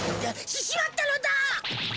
ししまったのだ！